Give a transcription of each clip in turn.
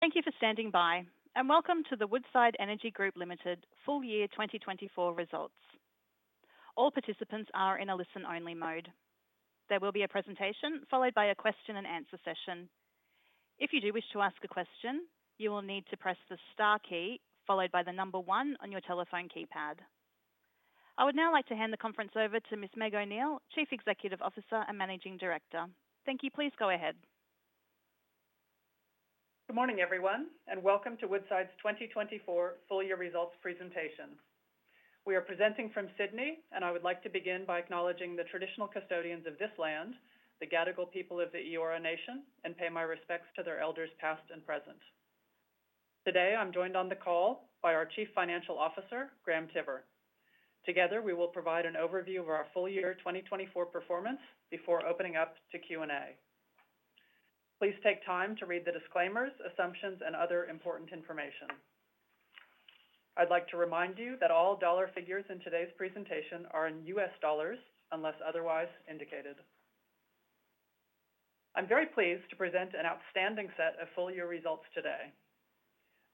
Thank you for standing by, and welcome to the Woodside Energy Group Limited full year 2024 results. All participants are in a listen-only mode. There will be a presentation followed by a question-and-answer session. If you do wish to ask a question, you will need to press the star key followed by the number one on your telephone keypad. I would now like to hand the conference over to Ms. Meg O'Neill, Chief Executive Officer and Managing Director. Thank you, please go ahead. Good morning, everyone, and welcome to Woodside's 2024 full year results presentation. We are presenting from Sydney, and I would like to begin by acknowledging the traditional custodians of this land, the Gadigal people of the Eora Nation, and pay my respects to their elders past and present. Today, I'm joined on the call by our Chief Financial Officer, Graham Tiver. Together, we will provide an overview of our full year 2024 performance before opening up to Q&A. Please take time to read the disclaimers, assumptions, and other important information. I'd like to remind you that all dollar figures in today's presentation are in U.S. dollars unless otherwise indicated. I'm very pleased to present an outstanding set of full year results today.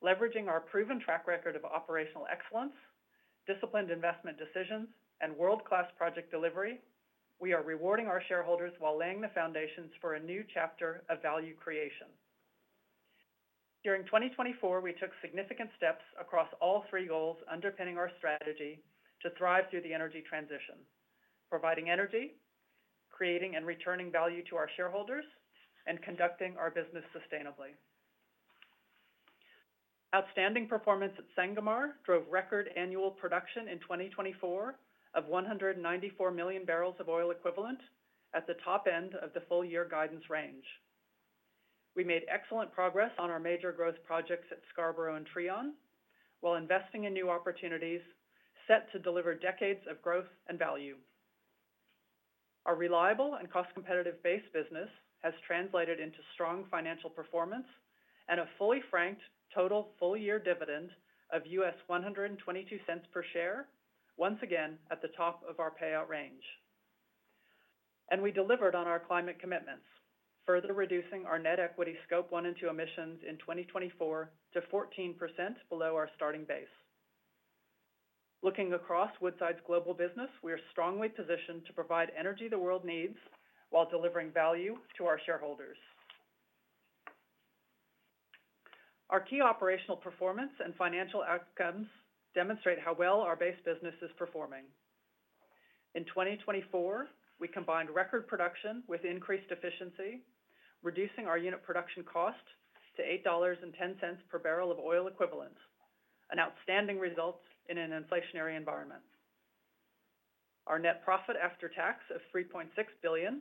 Leveraging our proven track record of operational excellence, disciplined investment decisions, and world-class project delivery, we are rewarding our shareholders while laying the foundations for a new chapter of value creation. During 2024, we took significant steps across all three goals underpinning our strategy to thrive through the energy transition: providing energy, creating and returning value to our shareholders, and conducting our business sustainably. Outstanding performance at Sangomar drove record annual production in 2024 of 194 million bbl of oil equivalent, at the top end of the full year guidance range. We made excellent progress on our major growth projects at Scarborough and Trion, while investing in new opportunities set to deliver decades of growth and value. Our reliable and cost-competitive base business has translated into strong financial performance and a fully franked total full year dividend of U.S. $1.22 per share, once again at the top of our payout range. And we delivered on our climate commitments, further reducing our net equity Scope 1 and 2 emissions in 2024 to 14% below our starting base. Looking across Woodside's global business, we are strongly positioned to provide energy the world needs while delivering value to our shareholders. Our key operational performance and financial outcomes demonstrate how well our base business is performing. In 2024, we combined record production with increased efficiency, reducing our unit production cost to $8.10 per barrel of oil equivalent, an outstanding result in an inflationary environment. Our net profit after tax of $3.6 billion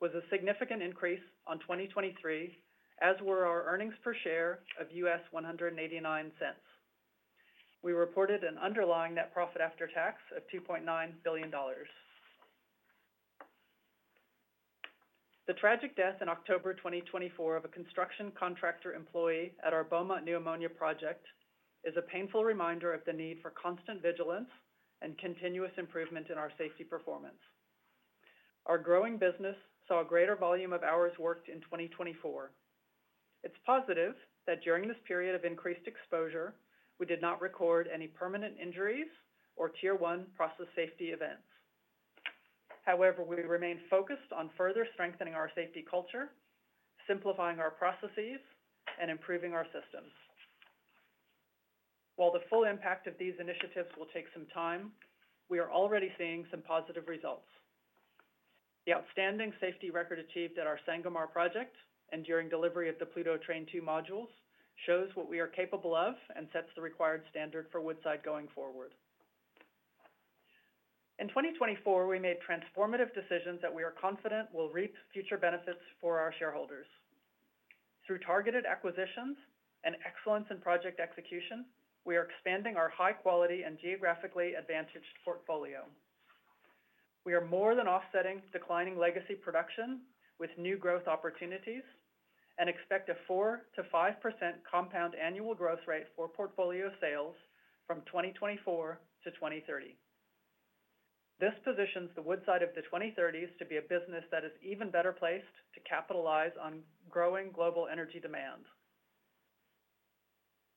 was a significant increase on 2023, as were our earnings per share of $1.89. We reported an underlying net profit after tax of $2.9 billion. The tragic death in October 2024 of a construction contractor employee at our Beaumont Clean Ammonia project is a painful reminder of the need for constant vigilance and continuous improvement in our safety performance. Our growing business saw a greater volume of hours worked in 2024. It's positive that during this period of increased exposure, we did not record any permanent injuries or Tier 1 process safety events. However, we remain focused on further strengthening our safety culture, simplifying our processes, and improving our systems. While the full impact of these initiatives will take some time, we are already seeing some positive results. The outstanding safety record achieved at our Sangomar project and during delivery of the Pluto Train 2 modules shows what we are capable of and sets the required standard for Woodside going forward. In 2024, we made transformative decisions that we are confident will reap future benefits for our shareholders. Through targeted acquisitions and excellence in project execution, we are expanding our high-quality and geographically advantaged portfolio. We are more than offsetting declining legacy production with new growth opportunities and expect a 4%-5% compound annual growth rate for portfolio sales from 2024 to 2030. This positions the Woodside of the 2030s to be a business that is even better placed to capitalize on growing global energy demand.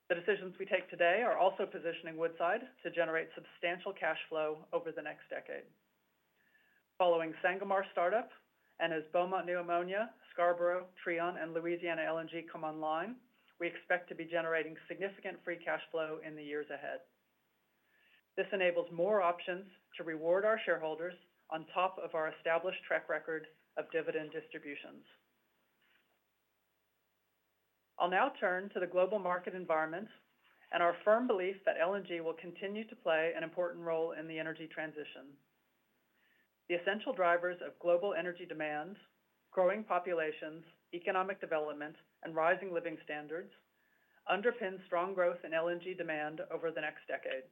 The decisions we take today are also positioning Woodside to generate substantial cash flow over the next decade. Following Sangomar startup and as Beaumont Clean Ammonia, Scarborough, Trion, and Louisiana LNG come online, we expect to be generating significant free cash flow in the years ahead. This enables more options to reward our shareholders on top of our established track record of dividend distributions. I'll now turn to the global market environment and our firm belief that LNG will continue to play an important role in the energy transition. The essential drivers of global energy demand, growing populations, economic development, and rising living standards underpin strong growth in LNG demand over the next decade.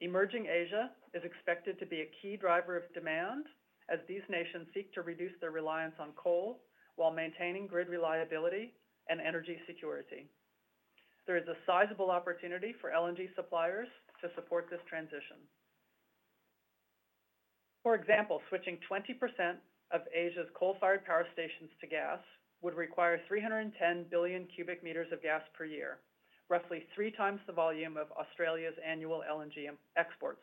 Emerging Asia is expected to be a key driver of demand as these nations seek to reduce their reliance on coal while maintaining grid reliability and energy security. There is a sizable opportunity for LNG suppliers to support this transition. For example, switching 20% of Asia's coal-fired power stations to gas would require 310 billion cu m of gas per year, roughly three times the volume of Australia's annual LNG exports.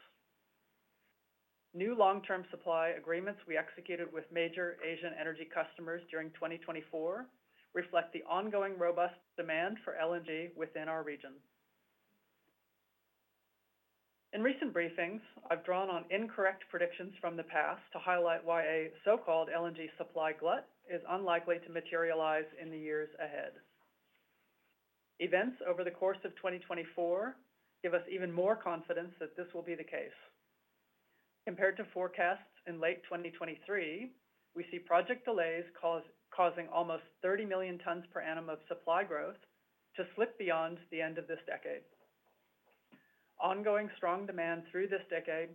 New long-term supply agreements we executed with major Asian energy customers during 2024 reflect the ongoing robust demand for LNG within our region. In recent briefings, I've drawn on incorrect predictions from the past to highlight why a so-called LNG supply glut is unlikely to materialize in the years ahead. Events over the course of 2024 give us even more confidence that this will be the case. Compared to forecasts in late 2023, we see project delays causing almost 30 million tons per annum of supply growth to slip beyond the end of this decade. Ongoing strong demand through this decade,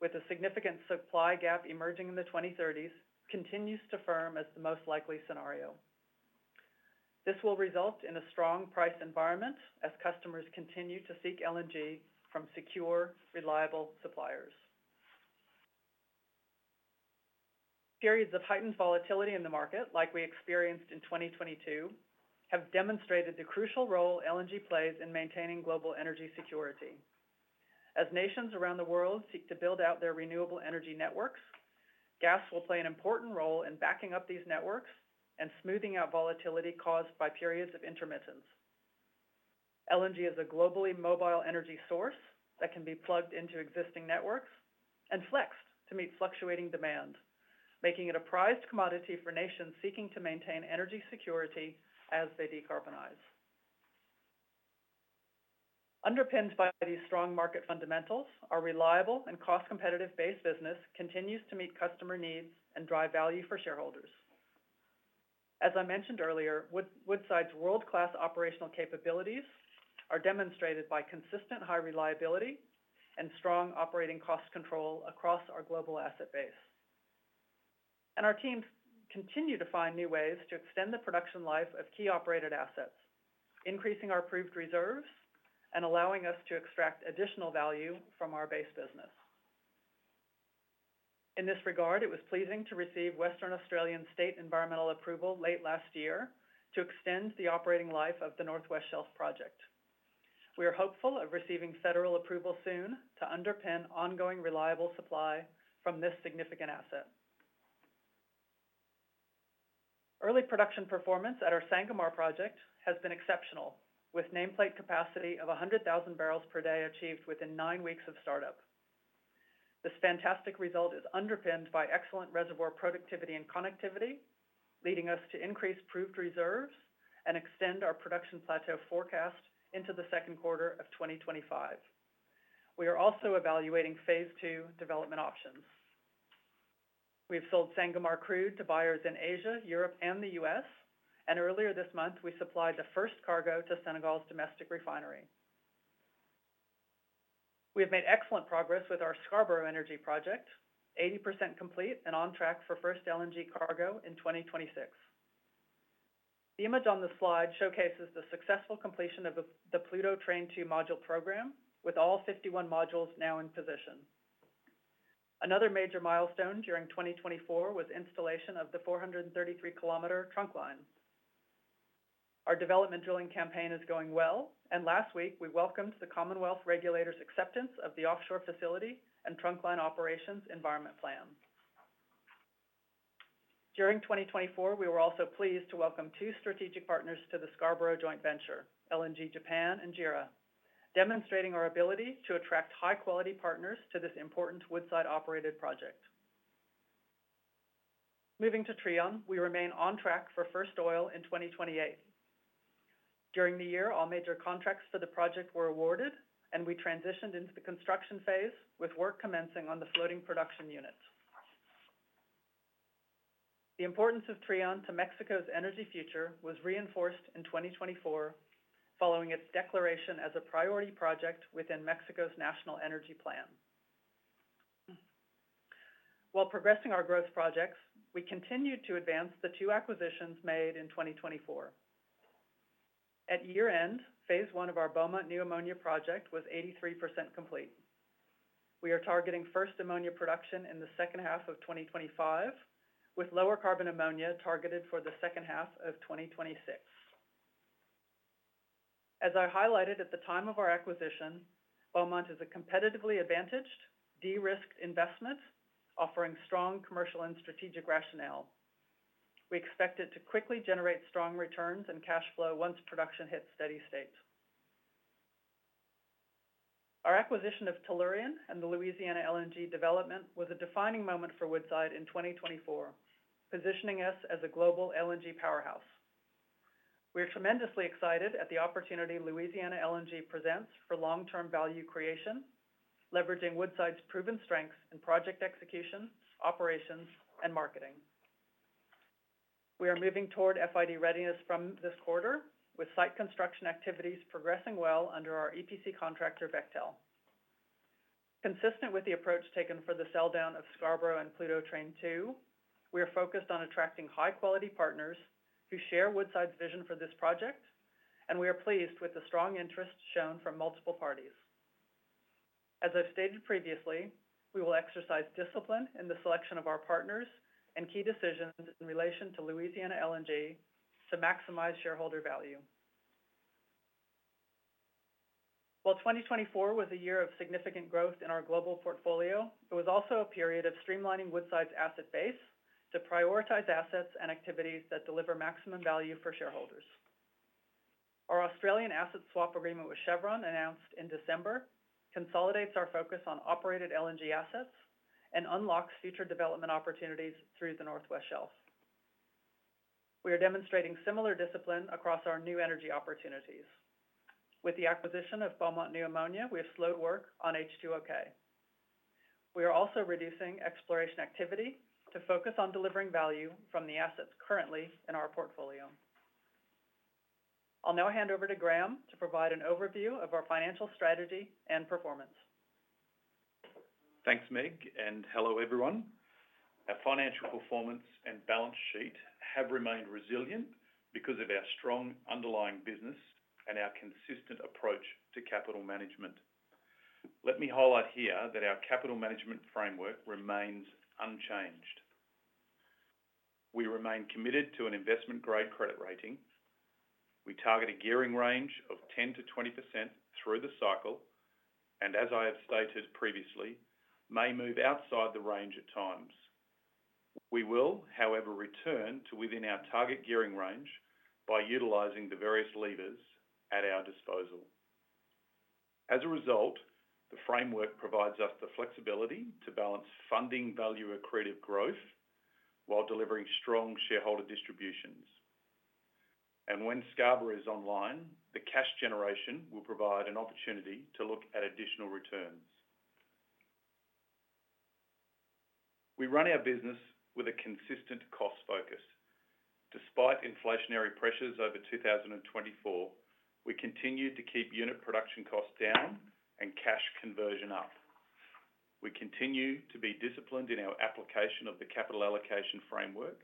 with a significant supply gap emerging in the 2030s, continues to firm as the most likely scenario. This will result in a strong price environment as customers continue to seek LNG from secure, reliable suppliers. Periods of heightened volatility in the market, like we experienced in 2022, have demonstrated the crucial role LNG plays in maintaining global energy security. As nations around the world seek to build out their renewable energy networks, gas will play an important role in backing up these networks and smoothing out volatility caused by periods of intermittence. LNG is a globally mobile energy source that can be plugged into existing networks and flexed to meet fluctuating demand, making it a prized commodity for nations seeking to maintain energy security as they decarbonize. Underpinned by these strong market fundamentals, our reliable and cost-competitive base business continues to meet customer needs and drive value for shareholders. As I mentioned earlier, Woodside's world-class operational capabilities are demonstrated by consistent high reliability and strong operating cost control across our global asset base. And our teams continue to find new ways to extend the production life of key operated assets, increasing our proved reserves and allowing us to extract additional value from our base business. In this regard, it was pleasing to receive Western Australian state environmental approval late last year to extend the operating life of the North West Shelf project. We are hopeful of receiving federal approval soon to underpin ongoing reliable supply from this significant asset. Early production performance at our Sangomar project has been exceptional, with nameplate capacity of 100,000 bbl per day achieved within nine weeks of startup. This fantastic result is underpinned by excellent reservoir productivity and connectivity, leading us to increase proved reserves and extend our production plateau forecast into the second quarter of 2025. We are also evaluating phase II development options. We have sold Sangomar crude to buyers in Asia, Europe, and the U.S., and earlier this month, we supplied the first cargo to Senegal's domestic refinery. We have made excellent progress with our Scarborough Energy project, 80% complete and on track for first LNG cargo in 2026. The image on the slide showcases the successful completion of the Pluto Train 2 module program, with all 51 modules now in position. Another major milestone during 2024 was installation of the 433 km trunk line. Our development drilling campaign is going well, and last week, we welcomed the Commonwealth regulator's acceptance of the offshore facility and trunk line operations environment plan. During 2024, we were also pleased to welcome two strategic partners to the Scarborough joint venture, LNG Japan and JERA, demonstrating our ability to attract high-quality partners to this important Woodside-operated project. Moving to Trion, we remain on track for first oil in 2028. During the year, all major contracts for the project were awarded, and we transitioned into the construction phase, with work commencing on the floating production unit. The importance of Trion to Mexico's energy future was reinforced in 2024, following its declaration as a priority project within Mexico's national energy plan. While progressing our growth projects, we continued to advance the two acquisitions made in 2024. At year-end, phase I of our Beaumont Clean Ammonia project was 83% complete. We are targeting first ammonia production in the second half of 2025, with lower carbon ammonia targeted for the second half of 2026. As I highlighted at the time of our acquisition, Beaumont is a competitively advantaged, de-risked investment, offering strong commercial and strategic rationale. We expect it to quickly generate strong returns and cash flow once production hits steady state. Our acquisition of Tellurian and the Louisiana LNG development was a defining moment for Woodside in 2024, positioning us as a global LNG powerhouse. We are tremendously excited at the opportunity Louisiana LNG presents for long-term value creation, leveraging Woodside's proven strengths in project execution, operations, and marketing. We are moving toward FID readiness from this quarter, with site construction activities progressing well under our EPC contractor, Bechtel. Consistent with the approach taken for the sell-down of Scarborough and Pluto Train 2, we are focused on attracting high-quality partners who share Woodside's vision for this project, and we are pleased with the strong interest shown from multiple parties. As I've stated previously, we will exercise discipline in the selection of our partners and key decisions in relation to Louisiana LNG to maximize shareholder value. While 2024 was a year of significant growth in our global portfolio, it was also a period of streamlining Woodside's asset base to prioritize assets and activities that deliver maximum value for shareholders. Our Australian asset swap agreement with Chevron announced in December consolidates our focus on operated LNG assets and unlocks future development opportunities through the North West Shelf. We are demonstrating similar discipline across our new energy opportunities. With the acquisition of Beaumont New Ammonia, we have slowed work on H2OK. We are also reducing exploration activity to focus on delivering value from the assets currently in our portfolio. I'll now hand over to Graham to provide an overview of our financial strategy and performance. Thanks, Meg, and hello everyone. Our financial performance and balance sheet have remained resilient because of our strong underlying business and our consistent approach to capital management. Let me highlight here that our capital management framework remains unchanged. We remain committed to an investment-grade credit rating. We target a gearing range of 10%-20% through the cycle, and as I have stated previously, may move outside the range at times. We will, however, return to within our target gearing range by utilizing the various levers at our disposal. As a result, the framework provides us the flexibility to balance funding value-accretive growth while delivering strong shareholder distributions. And when Scarborough is online, the cash generation will provide an opportunity to look at additional returns. We run our business with a consistent cost focus. Despite inflationary pressures over 2024, we continue to keep unit production costs down and cash conversion up. We continue to be disciplined in our application of the capital allocation framework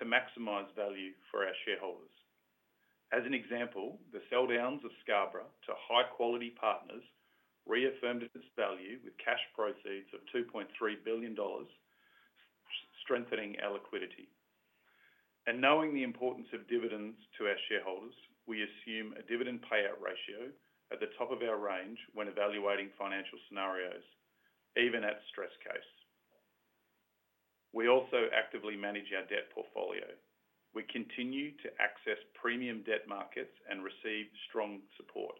to maximize value for our shareholders. As an example, the sell-downs of Scarborough to high-quality partners reaffirmed its value with cash proceeds of $2.3 billion, strengthening our liquidity. And knowing the importance of dividends to our shareholders, we assume a dividend payout ratio at the top of our range when evaluating financial scenarios, even at stress case. We also actively manage our debt portfolio. We continue to access premium debt markets and receive strong support.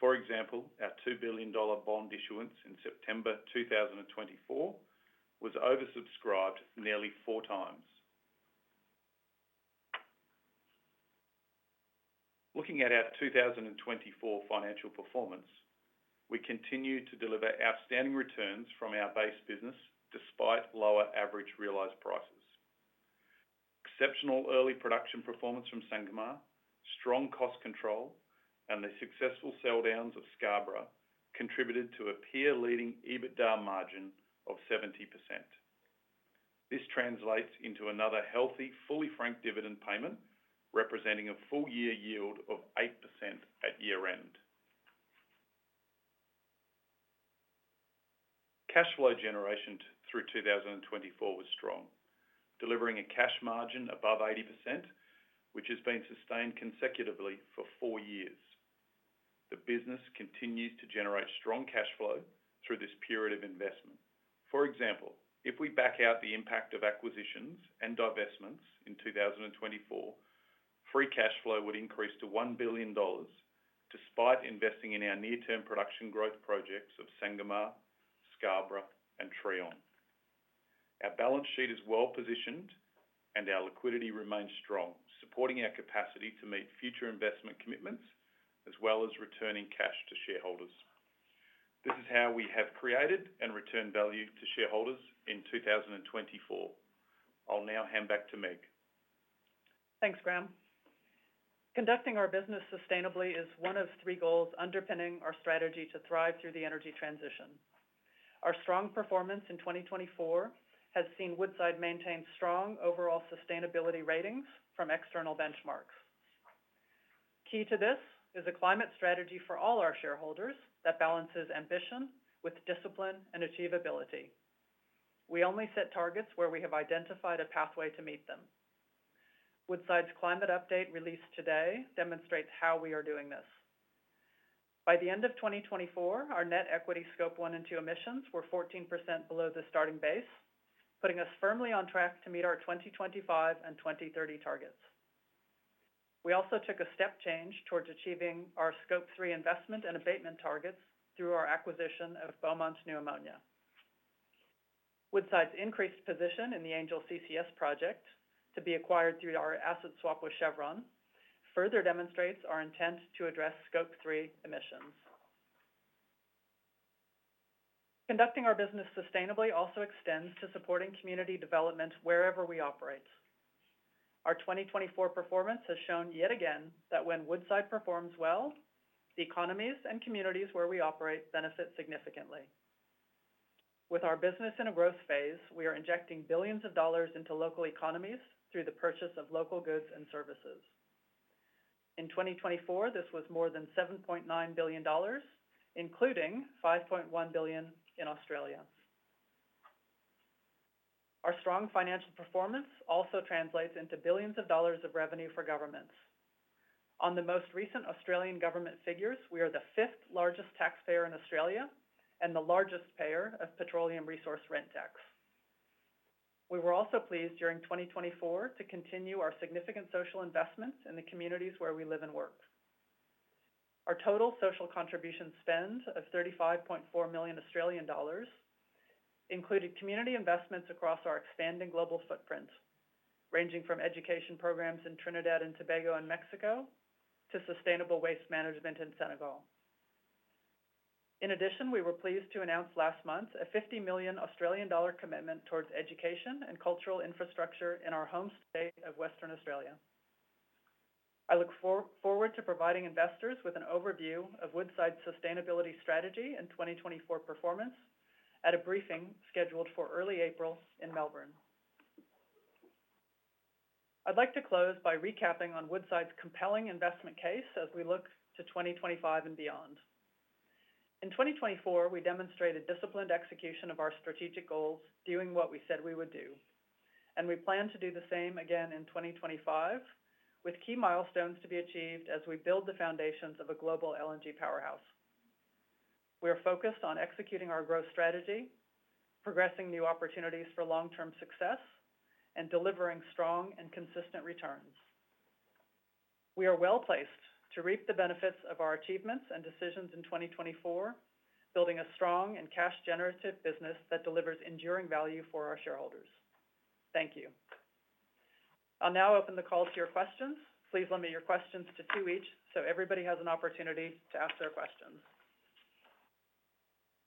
For example, our $2 billion bond issuance in September 2024 was oversubscribed nearly four times. Looking at our 2024 financial performance, we continue to deliver outstanding returns from our base business despite lower average realized prices. Exceptional early production performance from Sangomar, strong cost control, and the successful sell-downs of Scarborough contributed to a peer-leading EBITDA margin of 70%. This translates into another healthy, fully franked dividend payment representing a full-year yield of 8% at year-end. Cash flow generation through 2024 was strong, delivering a cash margin above 80%, which has been sustained consecutively for four years. The business continues to generate strong cash flow through this period of investment. For example, if we back out the impact of acquisitions and divestments in 2024, free cash flow would increase to $1 billion, despite investing in our near-term production growth projects of Sangomar, Scarborough, and Trion. Our balance sheet is well positioned, and our liquidity remains strong, supporting our capacity to meet future investment commitments as well as returning cash to shareholders. This is how we have created and returned value to shareholders in 2024. I'll now hand back to Meg. Thanks, Graham. Conducting our business sustainably is one of three goals underpinning our strategy to thrive through the energy transition. Our strong performance in 2024 has seen Woodside maintain strong overall sustainability ratings from external benchmarks. Key to this is a climate strategy for all our shareholders that balances ambition with discipline and achievability. We only set targets where we have identified a pathway to meet them. Woodside's climate update released today demonstrates how we are doing this. By the end of 2024, our net equity Scope 1 and 2 emissions were 14% below the starting base, putting us firmly on track to meet our 2025 and 2030 targets. We also took a step change towards achieving our Scope 3 investment and abatement targets through our acquisition of Beaumont Clean Ammonia. Woodside's increased position in the Angel CCS project to be acquired through our asset swap with Chevron further demonstrates our intent to address Scope 3 emissions. Conducting our business sustainably also extends to supporting community development wherever we operate. Our 2024 performance has shown yet again that when Woodside performs well, the economies and communities where we operate benefit significantly. With our business in a growth phase, we are injecting billions of dollars into local economies through the purchase of local goods and services. In 2024, this was more than $7.9 billion, including $5.1 billion in Australia. Our strong financial performance also translates into billions of dollars of revenue for governments. On the most recent Australian government figures, we are the fifth largest taxpayer in Australia and the largest payer of Petroleum Resource Rent Tax. We were also pleased during 2024 to continue our significant social investments in the communities where we live and work. Our total social contribution spend of 35.4 million Australian dollars included community investments across our expanding global footprint, ranging from education programs in Trinidad and Tobago and Mexico to sustainable waste management in Senegal. In addition, we were pleased to announce last month a 50 million Australian dollar commitment towards education and cultural infrastructure in our home state of Western Australia. I look forward to providing investors with an overview of Woodside's sustainability strategy and 2024 performance at a briefing scheduled for early April in Melbourne. I'd like to close by recapping on Woodside's compelling investment case as we look to 2025 and beyond. In 2024, we demonstrated disciplined execution of our strategic goals, doing what we said we would do. And we plan to do the same again in 2025, with key milestones to be achieved as we build the foundations of a global LNG powerhouse. We are focused on executing our growth strategy, progressing new opportunities for long-term success, and delivering strong and consistent returns. We are well placed to reap the benefits of our achievements and decisions in 2024, building a strong and cash-generative business that delivers enduring value for our shareholders. Thank you. I'll now open the call to your questions. Please limit your questions to two each so everybody has an opportunity to ask their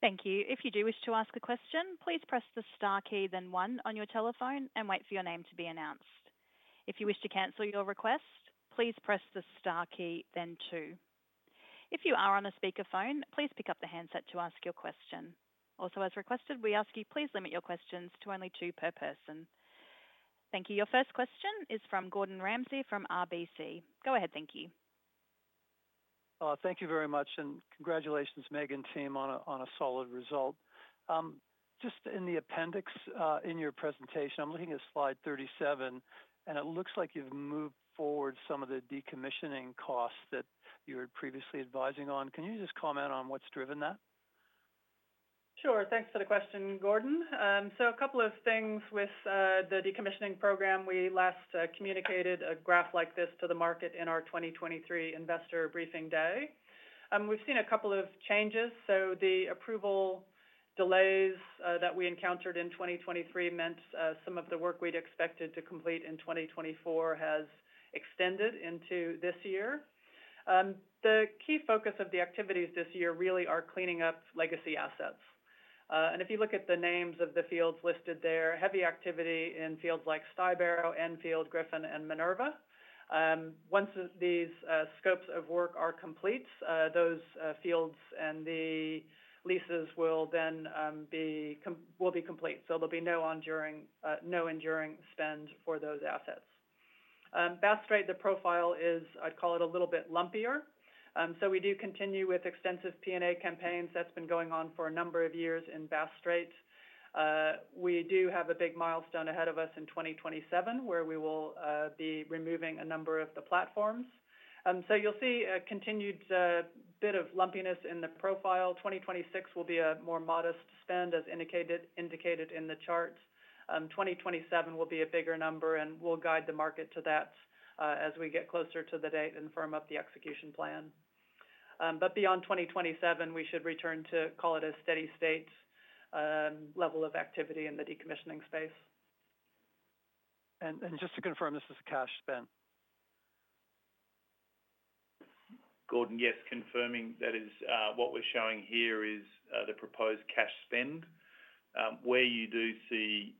questions. Thank you. If you do wish to ask a question, please press the star key, then one on your telephone, and wait for your name to be announced. If you wish to cancel your request, please press the star key, then two. If you are on a speakerphone, please pick up the handset to ask your question. Also, as requested, we ask you please limit your questions to only two per person. Thank you. Your first question is from Gordon Ramsay from RBC. Go ahead. Thank you. Thank you very much, and congratulations, Meg and team, on a solid result. Just in the appendix in your presentation, I'm looking at slide 37, and it looks like you've moved forward some of the decommissioning costs that you were previously advising on. Can you just comment on what's driven that? Sure. Thanks for the question, Gordon. So a couple of things with the decommissioning program. We last communicated a graph like this to the market in our 2023 Investor Briefing Day. We've seen a couple of changes. So the approval delays that we encountered in 2023 meant some of the work we'd expected to complete in 2024 has extended into this year. The key focus of the activities this year really are cleaning up legacy assets. And if you look at the names of the fields listed there, heavy activity in fields like Stybarrow, Enfield, Griffin, and Minerva. Once these scopes of work are complete, those fields and the leases will then be complete. So there'll be no enduring spend for those assets. Bass Strait, the profile is, I'd call it a little bit lumpier. So we do continue with extensive P&A campaigns that's been going on for a number of years in Bass Strait. We do have a big milestone ahead of us in 2027, where we will be removing a number of the platforms. So you'll see a continued bit of lumpiness in the profile. 2026 will be a more modest spend, as indicated in the charts. 2027 will be a bigger number, and we'll guide the market to that as we get closer to the date and firm up the execution plan. But beyond 2027, we should return to, call it a steady state level of activity in the decommissioning space. Just to confirm, this is a cash spend. Gordon, yes, confirming that is what we're showing here is the proposed cash spend, where you do see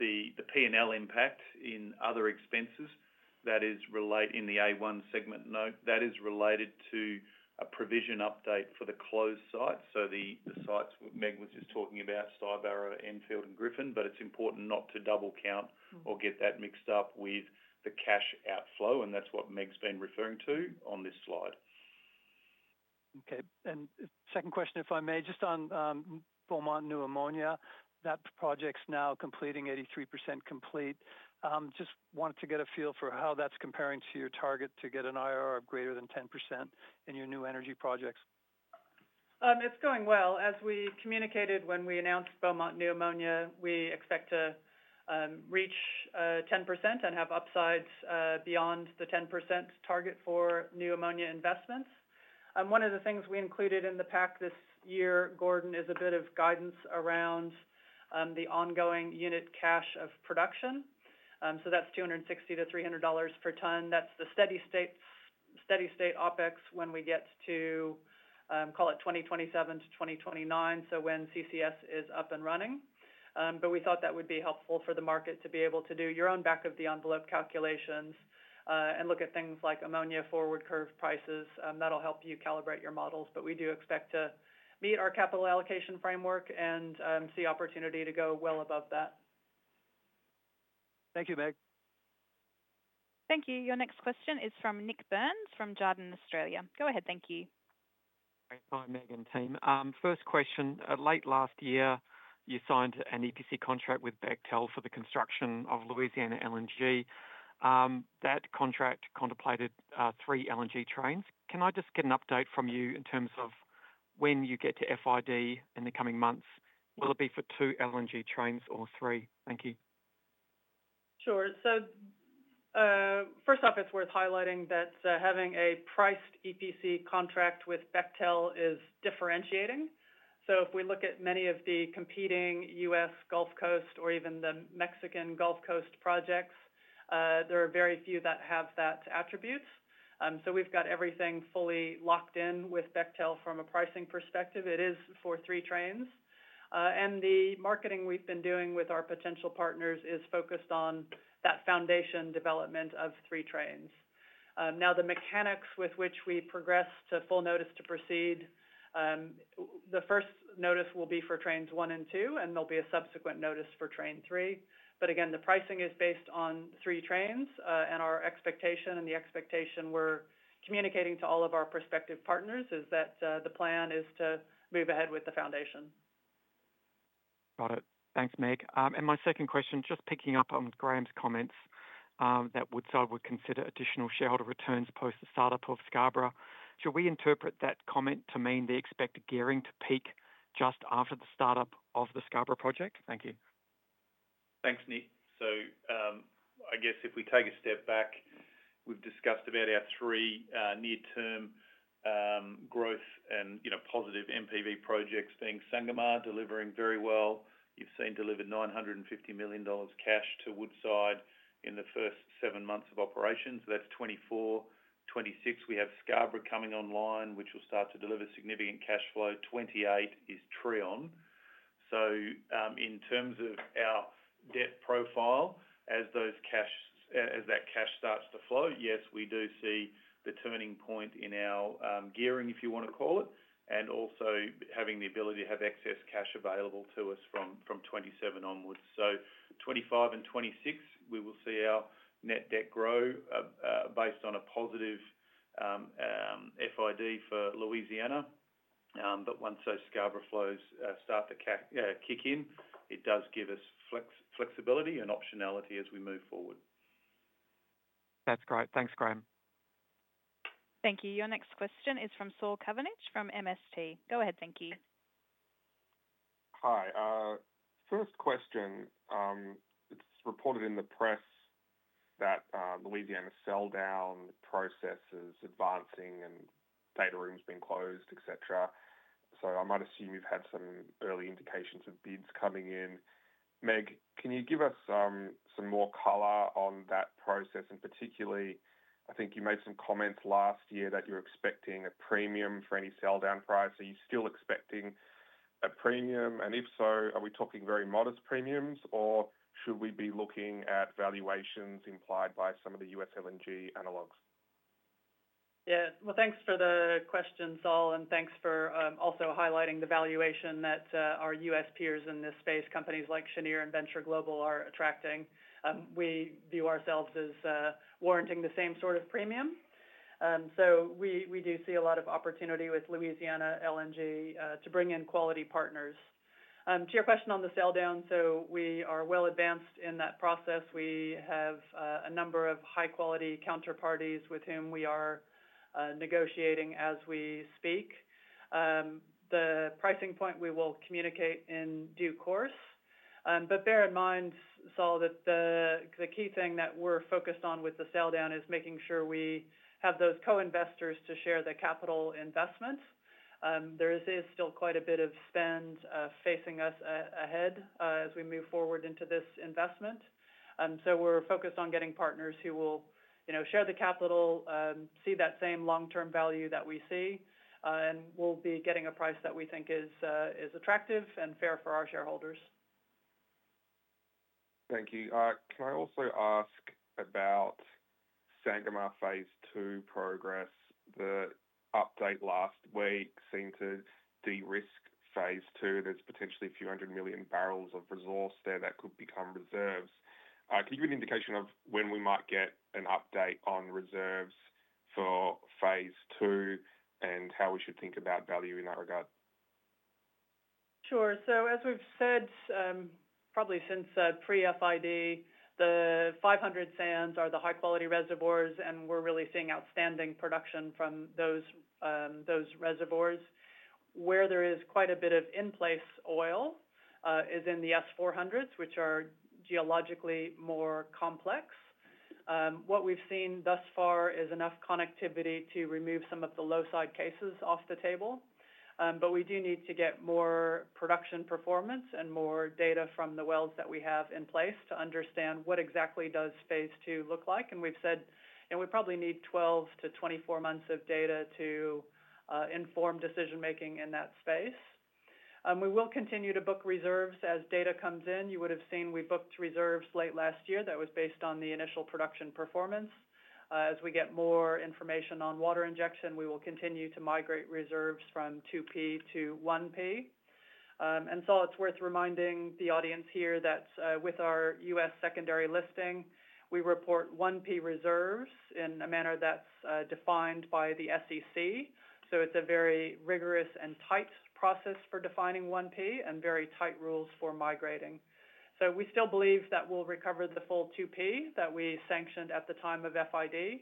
the P&L impact in other expenses that is related in the A1 segment note that is related to a provision update for the closed sites. So the sites Meg was just talking about, Stybarrow, Enfield, and Griffin, but it's important not to double count or get that mixed up with the cash outflow, and that's what Meg's been referring to on this slide. Okay. Second question, if I may, just on Beaumont Clean Ammonia, that project's now completing 83% complete. Just wanted to get a feel for how that's comparing to your target to get an IRR of greater than 10% in your new energy projects. It's going well. As we communicated when we announced Beaumont Clean Ammonia, we expect to reach 10% and have upsides beyond the 10% target for new ammonia investments. One of the things we included in the pack this year, Gordon, is a bit of guidance around the ongoing unit cost of production. So that's $260-$300 per ton. That's the steady state OPEX when we get to, call it 2027-2029, so when CCS is up and running. But we thought that would be helpful for the market to be able to do your own back-of-the-envelope calculations and look at things like ammonia forward curve prices. That'll help you calibrate your models, but we do expect to meet our capital allocation framework and see opportunity to go well above that. Thank you, Meg. Thank you. Your next question is from Nik Burns from Jarden Australia. Go ahead. Thank you. Hi, Meg and team. First question, late last year, you signed an EPC contract with Bechtel for the construction of Louisiana LNG. That contract contemplated three LNG trains. Can I just get an update from you in terms of when you get to FID in the coming months? Will it be for two LNG trains or three? Thank you. Sure. So first off, it's worth highlighting that having a priced EPC contract with Bechtel is differentiating. So if we look at many of the competing U.S. Gulf Coast or even the Mexican Gulf Coast projects, there are very few that have that attributes. So we've got everything fully locked in with Bechtel from a pricing perspective. It is for three trains. And the marketing we've been doing with our potential partners is focused on that foundation development of three trains. Now, the mechanics with which we progress to full notice to proceed, the first notice will be for trains one and two, and there'll be a subsequent notice for train three. But again, the pricing is based on three trains, and our expectation and the expectation we're communicating to all of our prospective partners is that the plan is to move ahead with the foundation. Got it. Thanks, Meg. And my second question, just picking up on Graham's comments that Woodside would consider additional shareholder returns post the startup of Scarborough, should we interpret that comment to mean the expected gearing to peak just after the startup of the Scarborough project? Thank you. Thanks, Nick. So I guess if we take a step back, we've discussed about our three near-term growth and positive NPV projects being Sangomar, delivering very well. You've seen delivered $950 million cash to Woodside in the first seven months of operations. That's 2024. 2026, we have Scarborough coming online, which will start to deliver significant cash flow. 2028 is Trion. So in terms of our debt profile, as that cash starts to flow, yes, we do see the turning point in our gearing, if you want to call it, and also having the ability to have excess cash available to us from 2027 onwards. So 2025 and 2026, we will see our net debt grow based on a positive FID for Louisiana. But once those Scarborough flows start to kick in, it does give us flexibility and optionality as we move forward. That's great. Thanks, Graham. Thank you. Your next question is from Saul Kavonic from MST. Go ahead. Thank you. Hi. First question, it's reported in the press that Louisiana sell-down process is advancing and data rooms being closed, etc. So I might assume you've had some early indications of bids coming in. Meg, can you give us some more color on that process? And particularly, I think you made some comments last year that you're expecting a premium for any sell-down price. Are you still expecting a premium? And if so, are we talking very modest premiums, or should we be looking at valuations implied by some of the U.S. LNG analogues? Yeah. Well, thanks for the question, Saul, and thanks for also highlighting the valuation that our U.S. peers in this space, companies like Cheniere and Venture Global, are attracting. We view ourselves as warranting the same sort of premium. So we do see a lot of opportunity with Louisiana LNG to bring in quality partners. To your question on the sell-down, so we are well advanced in that process. We have a number of high-quality counterparties with whom we are negotiating as we speak. The pricing point we will communicate in due course. But bear in mind, Saul, that the key thing that we're focused on with the sell-down is making sure we have those co-investors to share the capital investment. There is still quite a bit of spend facing us ahead as we move forward into this investment. So we're focused on getting partners who will share the capital, see that same long-term value that we see, and we'll be getting a price that we think is attractive and fair for our shareholders. Thank you. Can I also ask about Sangomar, phase II progress? The update last week seemed to de-risk phase II. There's potentially a few hundred million barrels of resource there that could become reserves. Can you give an indication of when we might get an update on reserves for phase II and how we should think about value in that regard? Sure. So as we've said, probably since pre-FID, the 500 sands are the high-quality reservoirs, and we're really seeing outstanding production from those reservoirs. Where there is quite a bit of in-place oil is in the S400s, which are geologically more complex. What we've seen thus far is enough connectivity to remove some of the low-side cases off the table. But we do need to get more production performance and more data from the wells that we have in place to understand what exactly does phase II look like. We've said we probably need 12-24 months of data to inform decision-making in that space. We will continue to book reserves as data comes in. You would have seen we booked reserves late last year. That was based on the initial production performance. As we get more information on water injection, we will continue to migrate reserves from 2P to 1P. And so it's worth reminding the audience here that with our U.S. secondary listing, we report 1P reserves in a manner that's defined by the SEC. So it's a very rigorous and tight process for defining 1P and very tight rules for migrating. So we still believe that we'll recover the full 2P that we sanctioned at the time of FID,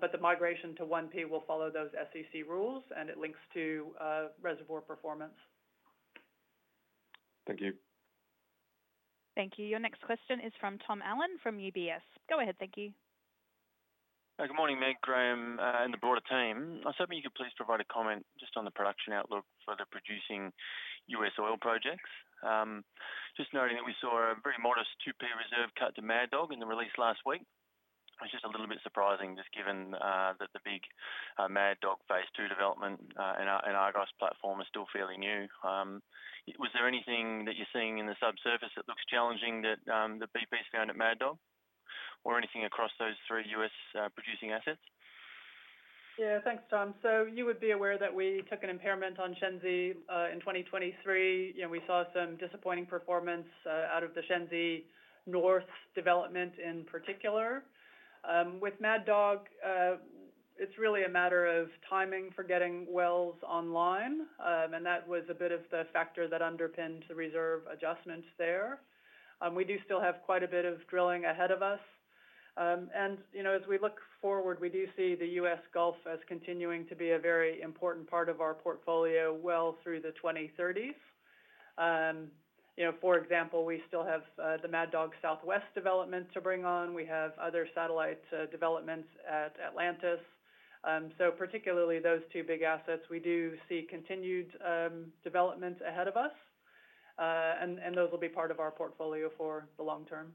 but the migration to 1P will follow those SEC rules, and it links to reservoir performance. Thank you. Thank you. Your next question is from Tom Allen from UBS. Go ahead. Thank you. Good morning, Meg, Graham, and the broader team. I was hoping you could please provide a comment just on the production outlook for the producing U.S. oil projects. Just noting that we saw a very modest 2P reserve cut to Mad Dog in the release last week. It's just a little bit surprising just given that the big Mad Dog Phase 2 development in Argos platform is still fairly new. Was there anything that you're seeing in the subsurface that looks challenging that BP's found at Mad Dog, or anything across those three U.S. producing assets? Yeah. Thanks, Tom. So you would be aware that we took an impairment on Shenzi in 2023. We saw some disappointing performance out of the Shenzi North development in particular. With Mad Dog, it's really a matter of timing for getting wells online, and that was a bit of the factor that underpinned the reserve adjustment there. We do still have quite a bit of drilling ahead of us. And as we look forward, we do see the U.S. Gulf as continuing to be a very important part of our portfolio well through the 2030s. For example, we still have the Mad Dog Southwest development to bring on. We have other satellite developments at Atlantis. So particularly those two big assets, we do see continued development ahead of us, and those will be part of our portfolio for the long term.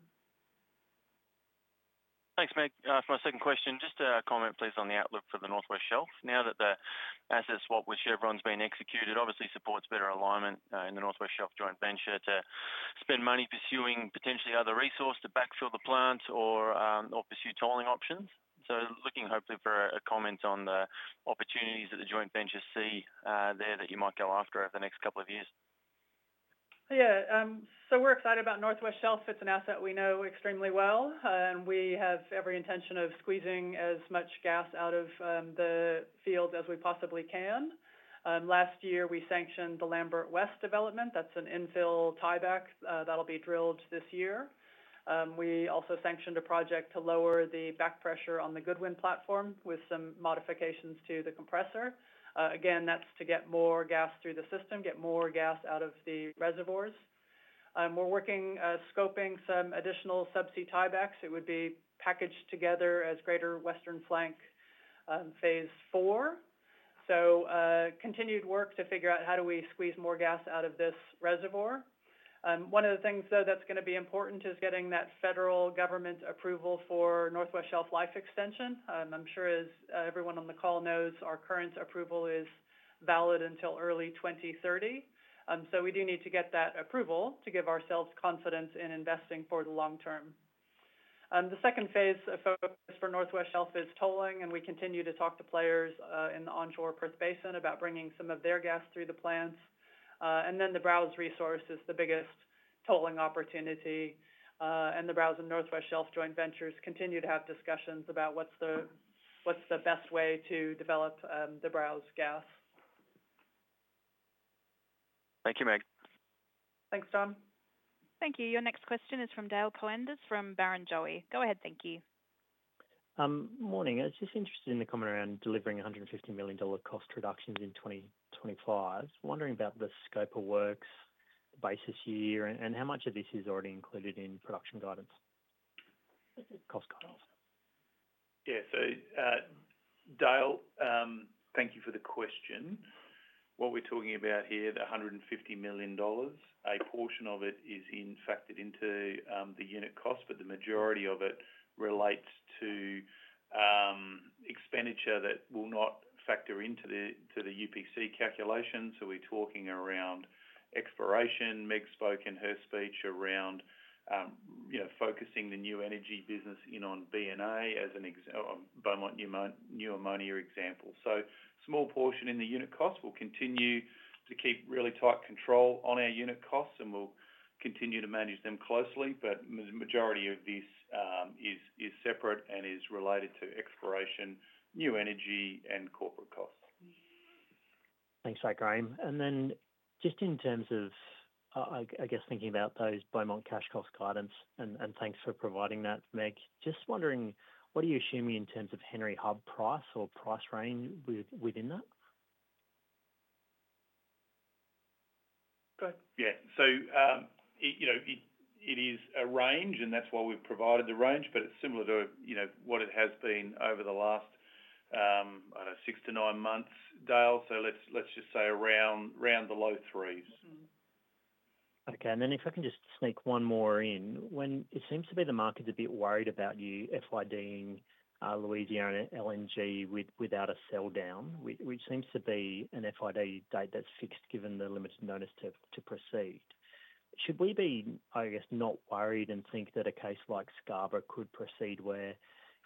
Thanks, Meg. For my second question, just a comment, please, on the outlook for the North West Shelf. Now that the asset swap with Chevron is being executed, obviously supports better alignment in the North West Shelf joint venture to spend money pursuing potentially other resources to backfill the plant or pursue tolling options. So looking hopefully for a comment on the opportunities that the joint venture see there that you might go after over the next couple of years. Yeah. We're excited about North West Shelf. It's an asset we know extremely well, and we have every intention of squeezing as much gas out of the field as we possibly can. Last year, we sanctioned the Lambert West development. That's an infill tieback that'll be drilled this year. We also sanctioned a project to lower the back pressure on the Goodwyn platform with some modifications to the compressor. Again, that's to get more gas through the system, get more gas out of the reservoirs. We're working on scoping some additional subsea tiebacks. It would be packaged together as Greater Western Flank Phase Four. Continued work to figure out how do we squeeze more gas out of this reservoir. One of the things, though, that's going to be important is getting that federal government approval for North West Shelf life extension. I'm sure everyone on the call knows our current approval is valid until early 2030. So we do need to get that approval to give ourselves confidence in investing for the long term. The second phase of focus for North West Shelf is tolling, and we continue to talk to players in the onshore Perth Basin about bringing some of their gas through the plants. And then the Browse resource is the biggest tolling opportunity, and the Browse and North West Shelf joint ventures continue to have discussions about what's the best way to develop the Browse gas. Thank you, Meg. Thanks, Tom. Thank you. Your next question is from Dale Koenders from Barrenjoey. Go ahead. Thank you. Morning. I was just interested in the comment around delivering $150 million cost reductions in 2025. I was wondering about the scope of works based this year and how much of this is already included in production guidance, cost guidance. Yeah. So Dale, thank you for the question. What we're talking about here, the $150 million, a portion of it is factored into the unit cost, but the majority of it relates to expenditure that will not factor into the UPC calculation. So we're talking around exploration. Meg spoke in her speech around focusing the new energy business in on BNA as an example, Beaumont New Ammonia example. So a small portion in the unit cost. We'll continue to keep really tight control on our unit costs, and we'll continue to manage them closely. But the majority of this is separate and is related to exploration, new energy, and corporate costs. Thanks for that, Graham. And then just in terms of, I guess, thinking about those Beaumont cash cost guidance, and thanks for providing that, Meg. Just wondering, what are you assuming in terms of Henry Hub price or price range within that? Go ahead. Yeah. So it is a range, and that's why we've provided the range, but it's similar to what it has been over the last, I don't know, six to nine months, Dale. So let's just say around the low threes. Okay. And then if I can just sneak one more in, when it seems to be the market's a bit worried about you FIDing Louisiana LNG without a sell-down, which seems to be an FID date that's fixed given the limited notice to proceed. Should we be, I guess, not worried and think that a case like Scarborough could proceed where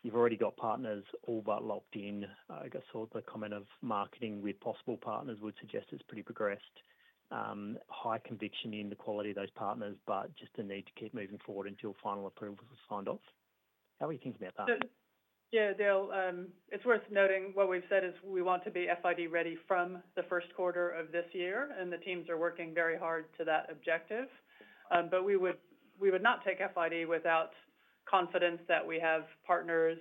you've already got partners all but locked in? I guess all the comment of marketing with possible partners would suggest it's pretty progressed, high conviction in the quality of those partners, but just a need to keep moving forward until final approval is signed off. How are you thinking about that? Yeah. Dale, it's worth noting what we've said is we want to be FID ready from the first quarter of this year, and the teams are working very hard to that objective. But we would not take FID without confidence that we have partners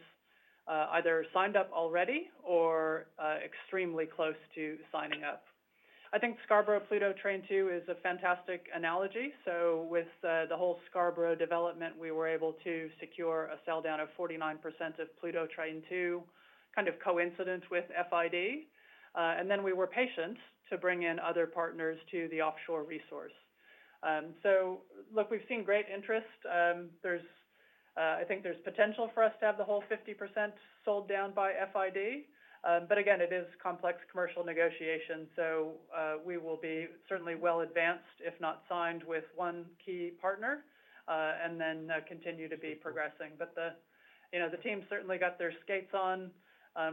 either signed up already or extremely close to signing up. I think Scarborough Pluto Train 2 is a fantastic analogy. With the whole Scarborough development, we were able to secure a sell-down of 49% of Pluto Train 2, kind of coincident with FID. And then we were patient to bring in other partners to the offshore resource. Look, we've seen great interest. I think there's potential for us to have the whole 50% sold down by FID. But again, it is complex commercial negotiation. We will be certainly well advanced, if not signed, with one key partner and then continue to be progressing. But the team certainly got their skates on.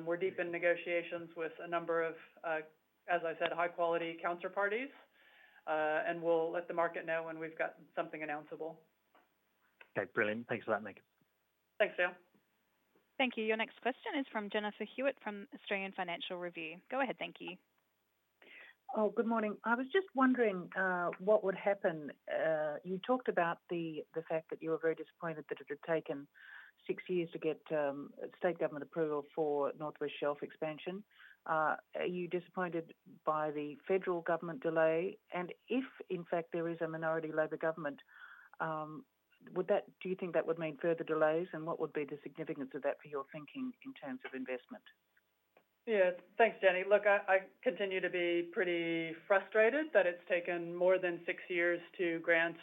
We're deep in negotiations with a number of, as I said, high-quality counterparties, and we'll let the market know when we've got something announceable. Okay. Brilliant. Thanks for that, Meg. Thanks, Dale. Thank you. Your next question is from Jennifer Hewett from Australian Financial Review. Go ahead. Thank you. Oh, good morning. I was just wondering what would happen. You talked about the fact that you were very disappointed that it had taken six years to get state government approval for North West Shelf expansion. Are you disappointed by the federal government delay? And if, in fact, there is a minority Labor government, do you think that would mean further delays? And what would be the significance of that for your thinking in terms of investment? Yeah. Thanks, Jenny. Look, I continue to be pretty frustrated that it's taken more than six years to grant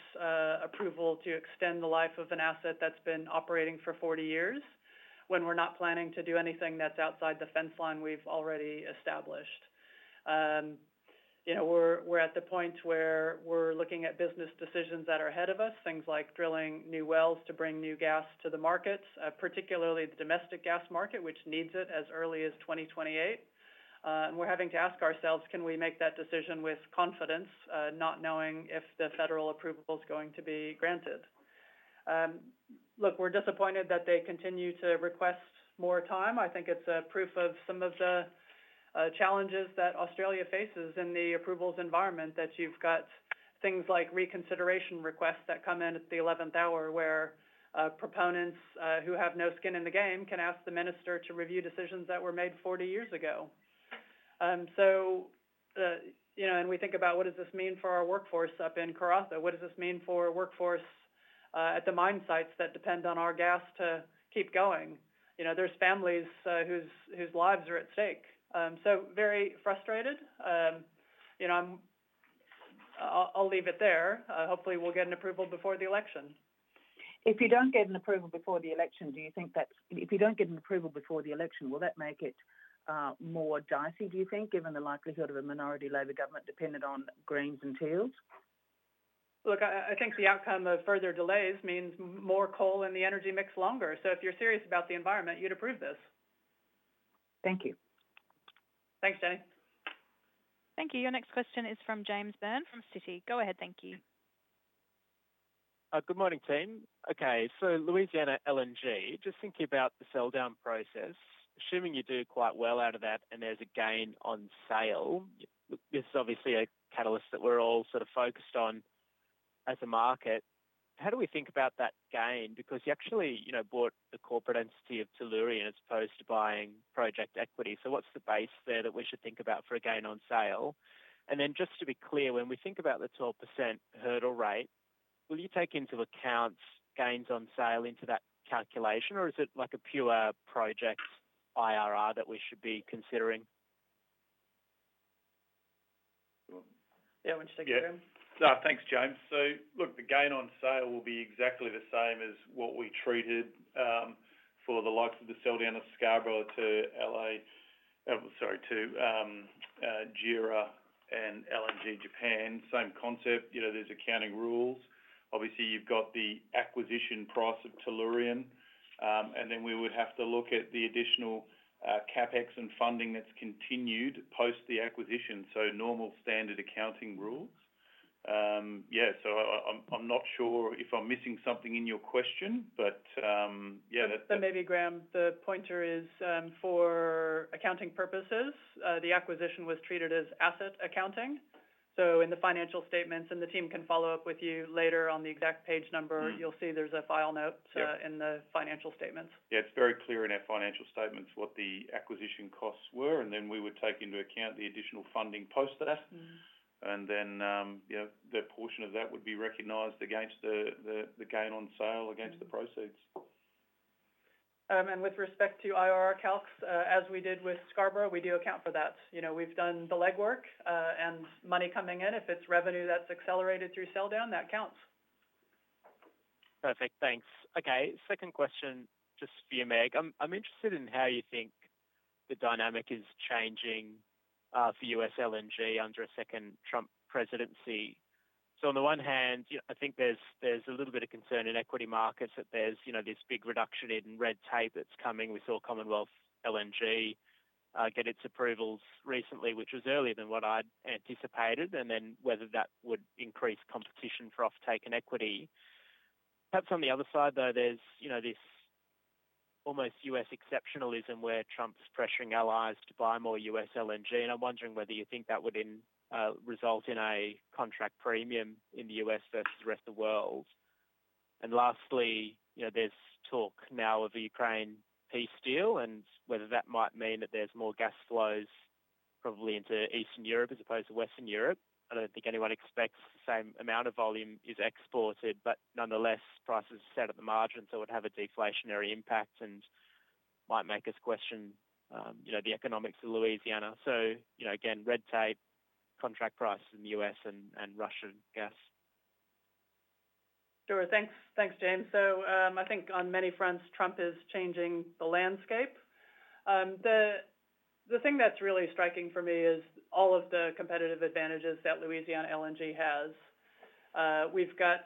approval to extend the life of an asset that's been operating for 40 years when we're not planning to do anything that's outside the fence line we've already established. We're at the point where we're looking at business decisions that are ahead of us, things like drilling new wells to bring new gas to the markets, particularly the domestic gas market, which needs it as early as 2028. And we're having to ask ourselves, can we make that decision with confidence, not knowing if the federal approval is going to be granted? Look, we're disappointed that they continue to request more time. I think it's proof of some of the challenges that Australia faces in the approvals environment that you've got things like reconsideration requests that come in at the 11th hour where proponents who have no skin in the game can ask the minister to review decisions that were made 40 years ago. And we think about what does this mean for our workforce up in Karratha. What does this mean for workforce at the mine sites that depend on our gas to keep going? There's families whose lives are at stake. So very frustrated. I'll leave it there. Hopefully, we'll get an approval before the election. If you don't get an approval before the election, do you think that will make it more dicey, do you think, given the likelihood of a minority Labor government dependent on Greens and teals? Look, I think the outcome of further delays means more coal in the energy mix longer. So if you're serious about the environment, you'd approve this. Thank you. Thanks, Jenny. Thank you. Your next question is from James Byrne from Citi. Go ahead. Thank you. Good morning, team. Okay. So Louisiana LNG, just thinking about the sell-down process, assuming you do quite well out of that and there's a gain on sale, this is obviously a catalyst that we're all sort of focused on as a market. How do we think about that gain? Because you actually bought the corporate entity of Tellurian as opposed to buying project equity. So what's the base there that we should think about for a gain on sale? And then just to be clear, when we think about the 12% hurdle rate, will you take into account gains on sale into that calculation, or is it like a pure project IRR that we should be considering? Yeah. Would you take it, Graham? Yeah. Thanks, James. So look, the gain on sale will be exactly the same as what we treated for the likes of the sell-down of Scarborough to JERA and LNG Japan. Same concept. There's accounting rules. Obviously, you've got the acquisition price of Tellurian. And then we would have to look at the additional CapEx and funding that's continued post the acquisition. So normal standard accounting rules. Yeah. So I'm not sure if I'm missing something in your question, but yeah. So maybe, Graham, the point is for accounting purposes, the acquisition was treated as asset accounting. So in the financial statements, and the team can follow up with you later on the exact page number, you'll see there's a footnote in the financial statements. Yeah. It's very clear in our financial statements what the acquisition costs were, and then we would take into account the additional funding post that. And then that portion of that would be recognized against the gain on sale against the proceeds. And with respect to IRR calcs, as we did with Scarborough, we do account for that. We've done the legwork and money coming in. If it's revenue that's accelerated through sell-down, that counts. Perfect. Thanks. Okay. Second question, just for you, Meg. I'm interested in how you think the dynamic is changing for U.S. LNG under a second Trump presidency. So on the one hand, I think there's a little bit of concern in equity markets that there's this big reduction in red tape that's coming. We saw Commonwealth LNG get its approvals recently, which was earlier than what I'd anticipated, and then whether that would increase competition for off-take equity. Perhaps on the other side, though, there's this almost U.S. exceptionalism where Trump's pressuring allies to buy more U.S. LNG. And I'm wondering whether you think that would result in a contract premium in the U.S. versus the rest of the world. And lastly, there's talk now of a Ukraine peace deal and whether that might mean that there's more gas flows probably into Eastern Europe as opposed to Western Europe. I don't think anyone expects the same amount of volume is exported, but nonetheless, prices are set at the margin, so it would have a deflationary impact and might make us question the economics of Louisiana. So again, red tape, contract prices in the U.S., and Russian gas. Sure. Thanks, James. So I think on many fronts, Trump is changing the landscape. The thing that's really striking for me is all of the competitive advantages that Louisiana LNG has. We've got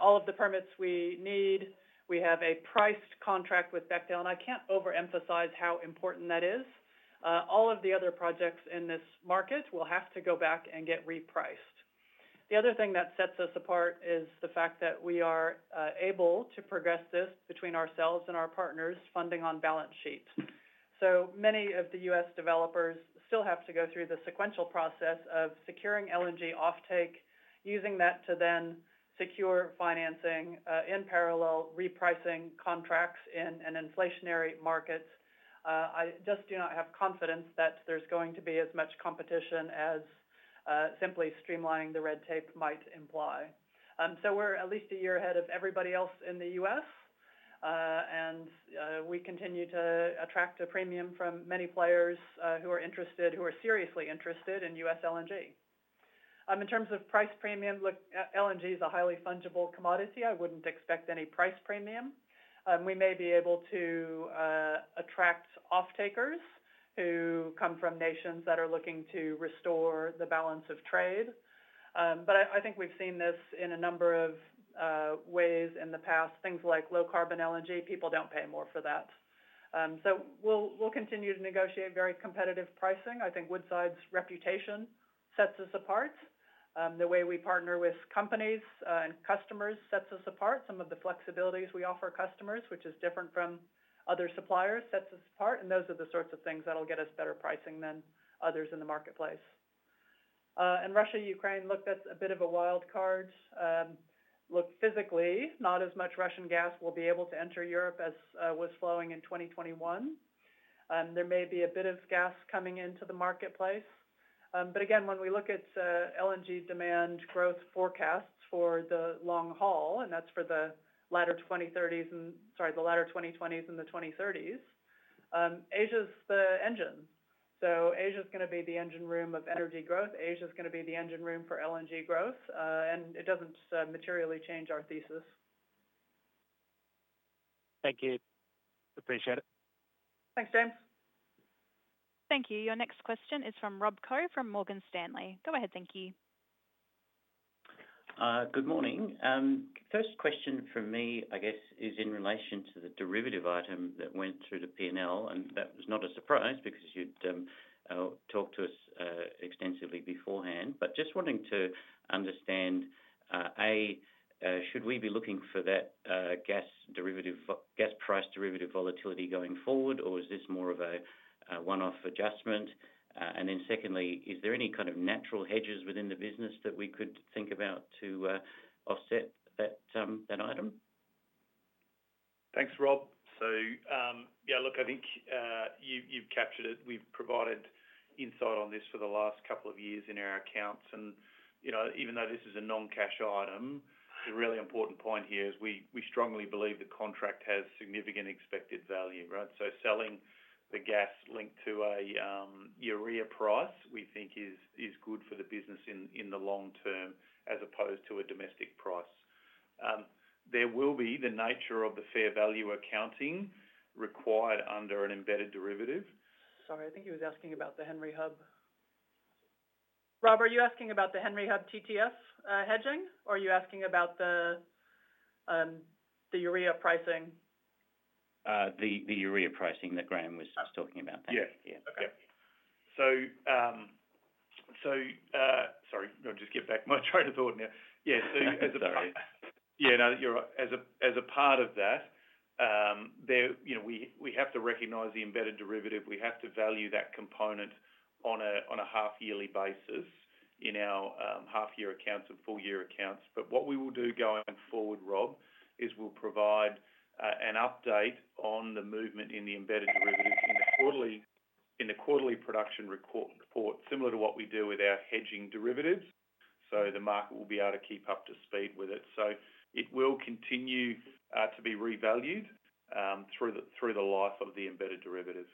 all of the permits we need. We have a priced contract with Bechtel, and I can't overemphasize how important that is. All of the other projects in this market will have to go back and get repriced. The other thing that sets us apart is the fact that we are able to progress this between ourselves and our partners funding on balance sheet. So many of the U.S. developers still have to go through the sequential process of securing LNG off-take, using that to then secure financing in parallel, repricing contracts in an inflationary market. I just do not have confidence that there's going to be as much competition as simply streamlining the red tape might imply. So we're at least a year ahead of everybody else in the U.S., and we continue to attract a premium from many players who are interested, who are seriously interested in U.S. LNG. In terms of price premium, look, LNG is a highly fungible commodity. I wouldn't expect any price premium. We may be able to attract off-takers who come from nations that are looking to restore the balance of trade. But I think we've seen this in a number of ways in the past, things like low carbon LNG. People don't pay more for that. So we'll continue to negotiate very competitive pricing. I think Woodside's reputation sets us apart. The way we partner with companies and customers sets us apart. Some of the flexibilities we offer customers, which is different from other suppliers, sets us apart. Those are the sorts of things that'll get us better pricing than others in the marketplace. Russia, Ukraine, look, that's a bit of a wild card. Look, physically, not as much Russian gas will be able to enter Europe as was flowing in 2021. There may be a bit of gas coming into the marketplace. But again, when we look at LNG demand growth forecasts for the long haul, and that's for the latter 2030s and sorry, the latter 2020s and the 2030s, Asia's the engine. So Asia's going to be the engine room of energy growth. Asia's going to be the engine room for LNG growth. And it doesn't materially change our thesis. Thank you. Appreciate it. Thanks, James. Thank you. Your next question is from Rob Koh from Morgan Stanley. Go ahead. Thank you. Good morning. First question for me, I guess, is in relation to the derivative item that went through the P&L. And that was not a surprise because you'd talked to us extensively beforehand. But just wanting to understand, A, should we be looking for that gas price derivative volatility going forward, or is this more of a one-off adjustment? And then secondly, is there any kind of natural hedges within the business that we could think about to offset that item? Thanks, Rob. So yeah, look, I think you've captured it. We've provided insight on this for the last couple of years in our accounts. And even though this is a non-cash item, the really important point here is we strongly believe the contract has significant expected value, right? So selling the gas linked to a TTF price, we think, is good for the business in the long term as opposed to a domestic price. There will be the nature of the fair value accounting required under an embedded derivative. Sorry, I think he was asking about the Henry Hub. Rob, are you asking about the Henry Hub TTF hedging, or are you asking about the TTF pricing? The TTF pricing that Graham was just talking about. Thank you. Yeah. Okay. So sorry, I'll just get back to my train of thought now. Yeah. So as a part of that, we have to recognize the embedded derivative. We have to value that component on a half-yearly basis in our half-year accounts and full-year accounts. But what we will do going forward, Rob, is we'll provide an update on the movement in the embedded derivatives in the quarterly production report, similar to what we do with our hedging derivatives. So the market will be able to keep up to speed with it. So it will continue to be revalued through the life of the embedded derivative.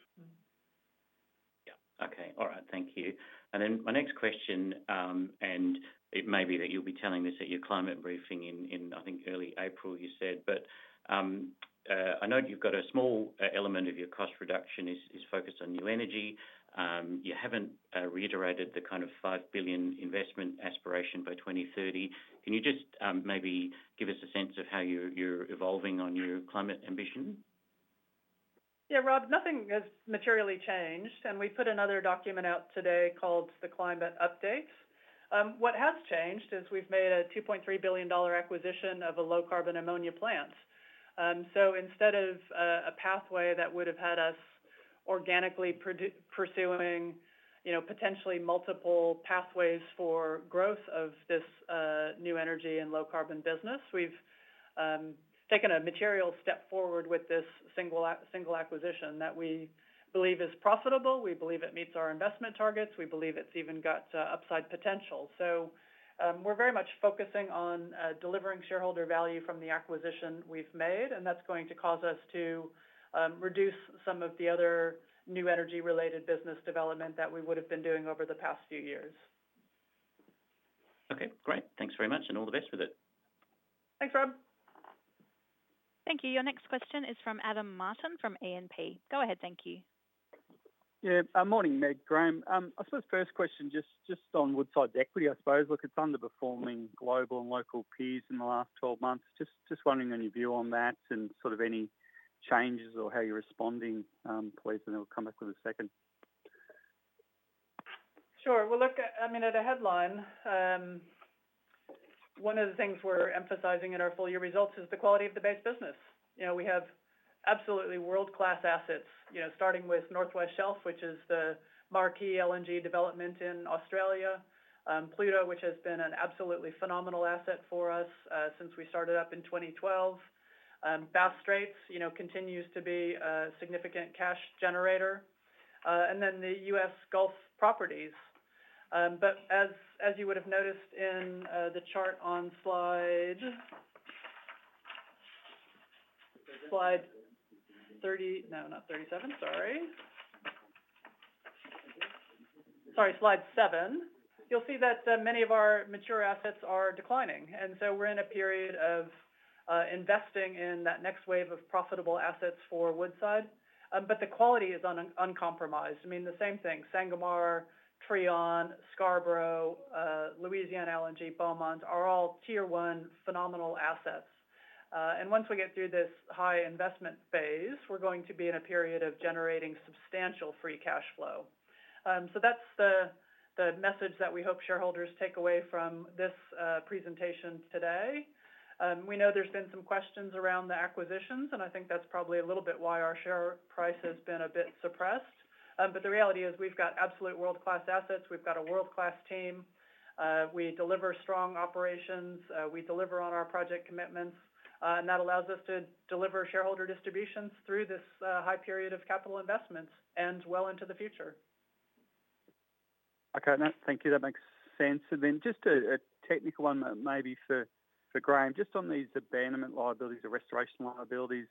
Yeah. Okay. All right. Thank you. And then my next question, and it may be that you'll be telling this at your climate briefing in, I think, early April, you said. But I know you've got a small element of your cost reduction is focused on new energy. You haven't reiterated the kind of 5 billion investment aspiration by 2030. Can you just maybe give us a sense of how you're evolving on your climate ambition? Yeah, Rob, nothing has materially changed. And we put another document out today called the Climate Update. What has changed is we've made a $2.3 billion acquisition of a low carbon ammonia plant. So instead of a pathway that would have had us organically pursuing potentially multiple pathways for growth of this new energy and low carbon business, we've taken a material step forward with this single acquisition that we believe is profitable. We believe it meets our investment targets. We believe it's even got upside potential. So we're very much focusing on delivering shareholder value from the acquisition we've made, and that's going to cause us to reduce some of the other new energy-related business development that we would have been doing over the past few years. Okay. Great. Thanks very much, and all the best with it. Thanks, Rob. Thank you. Your next question is from Adam Martin from E&P. Go ahead. Thank you. Yeah. Morning, Meg. Graham. I suppose first question, just on Woodside's equity, I suppose. Look, it's underperforming global and local peers in the last 12 months. Just wondering on your view on that and sort of any changes or how you're responding. Please, and then we'll come back with a second. Sure. Well, look, I mean, at a headline, one of the things we're emphasizing in our full-year results is the quality of the base business. We have absolutely world-class assets, starting with North West Shelf, which is the marquee LNG development in Australia. Pluto, which has been an absolutely phenomenal asset for us since we started up in 2012. Bass Strait continues to be a significant cash generator. And then the U.S. Gulf properties. But as you would have noticed in the chart on slide no, not 37. Sorry. Sorry, slide 7. You'll see that many of our mature assets are declining, and so we're in a period of investing in that next wave of profitable assets for Woodside, but the quality is uncompromised. I mean, the same thing. Sangomar, Trion, Scarborough, Louisiana LNG, Beaumont are all tier one phenomenal assets, and once we get through this high investment phase, we're going to be in a period of generating substantial free cash flow, so that's the message that we hope shareholders take away from this presentation today. We know there's been some questions around the acquisitions, and I think that's probably a little bit why our share price has been a bit suppressed, but the reality is we've got absolute world-class assets. We've got a world-class team. We deliver strong operations. We deliver on our project commitments. That allows us to deliver shareholder distributions through this high period of capital investments and well into the future. Okay. Thank you. That makes sense. Then just a technical one maybe for Graham. Just on these abandonment liabilities, the restoration liabilities,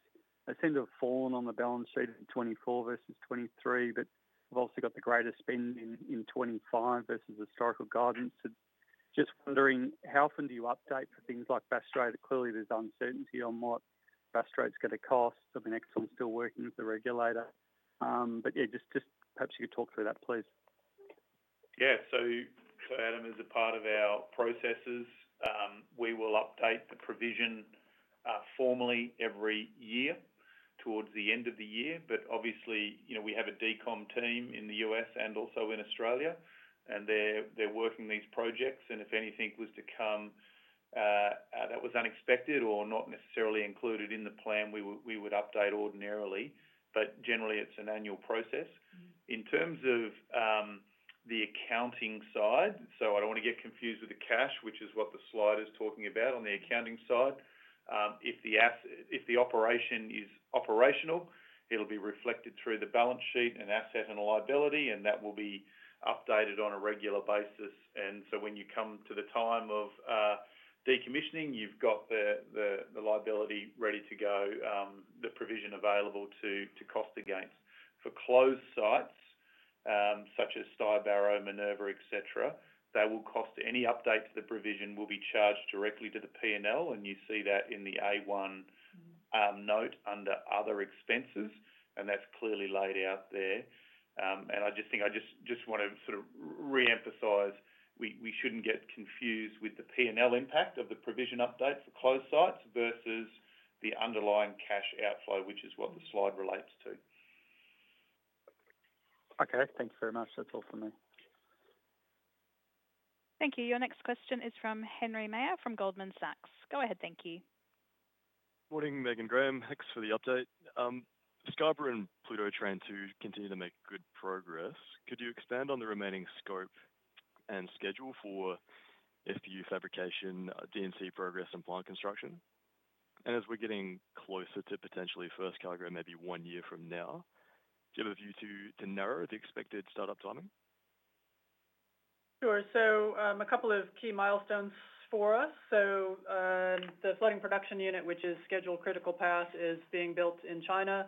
they seem to have fallen on the balance sheet in 2024 versus 2023, but we've also got the greater spend in 2025 versus historical guidance. Just wondering, how often do you update for things like Bass Strait? Clearly, there's uncertainty on what Bass Strait's going to cost. I mean, Exxon's still working with the regulator. Yeah, just perhaps you could talk through that, please. Yeah. Claire, as a part of our processes, we will update the provision formally every year towards the end of the year. Obviously, we have a decom team in the U.S. and also in Australia, and they're working these projects. If anything was to come that was unexpected or not necessarily included in the plan, we would update ordinarily. But generally, it's an annual process. In terms of the accounting side, so I don't want to get confused with the cash, which is what the slide is talking about on the accounting side. If the operation is operational, it'll be reflected through the balance sheet and asset and liability, and that will be updated on a regular basis. And so when you come to the time of decommissioning, you've got the liability ready to go, the provision available to cost against. For closed sites such as Stybarrow, Minerva, etc., the cost of any update to the provision will be charged directly to the P&L. And you see that in the A1 note under other expenses. And that's clearly laid out there. And I just think I just want to sort of reemphasize we shouldn't get confused with the P&L impact of the provision update for closed sites versus the underlying cash outflow, which is what the slide relates to. Okay. Thanks very much. That's all for me. Thank you. Your next question is from Henry Meyer from Goldman Sachs. Go ahead. Thank you. Morning, Meg and Graham. Thanks for the update. Scarborough and Pluto Train 2 continue to make good progress. Could you expand on the remaining scope and schedule for FPU fabrication, HUC progress, and plant construction? And as we're getting closer to potentially first cargo, maybe one year from now, do you have a view to narrow the expected startup timing? Sure. So a couple of key milestones for us. So the floating production unit, which is scheduled critical path, is being built in China.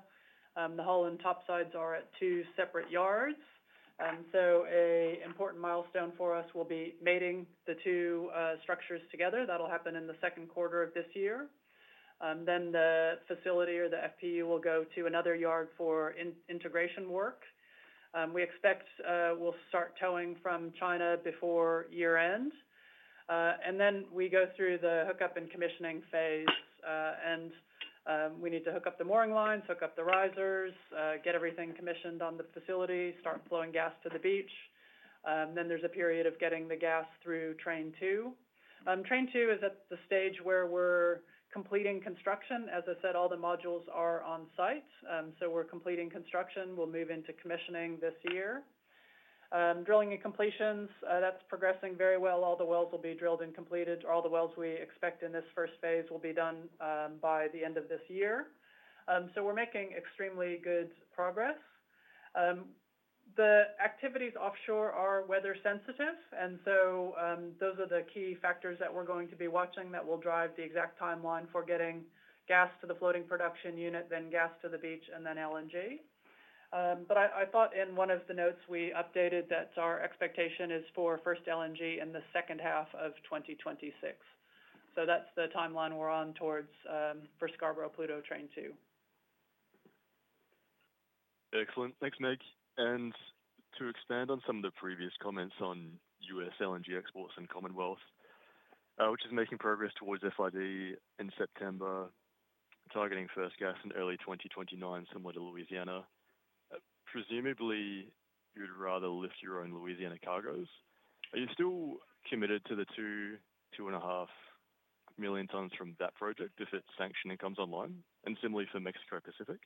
The hull and topsides are at two separate yards, so an important milestone for us will be mating the two structures together. That'll happen in the second quarter of this year, then the facility or the FPU will go to another yard for integration work. We expect we'll start towing from China before year-end, and then we go through the hookup and commissioning phase. We need to hook up the mooring lines, hook up the risers, get everything commissioned on the facility, start flowing gas to the beach. Then there's a period of getting the gas through train two. Train two is at the stage where we're completing construction. As I said, all the modules are on site, so we're completing construction. We'll move into commissioning this year. Drilling and completions, that's progressing very well. All the wells will be drilled and completed. All the wells we expect in this first phase will be done by the end of this year, so we're making extremely good progress. The activities offshore are weather-sensitive, and so those are the key factors that we're going to be watching that will drive the exact timeline for getting gas to the floating production unit, then gas to the beach, and then LNG, but I thought in one of the notes we updated that our expectation is for first LNG in the second half of 2026, so that's the timeline we're on towards for Scarborough Pluto Train 2. Excellent. Thanks, Meg, and to expand on some of the previous comments on U.S. LNG exports and Commonwealth, which is making progress towards FID in September, targeting first gas in early 2029, similar to Louisiana. Presumably, you'd rather lift your own Louisiana cargoes. Are you still committed to the 2 million tons-2.5 million tons from that project if its sanctioning comes online? And similarly for Mexico Pacific?